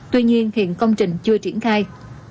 tuy nhiên hiện công trình chưa triển khai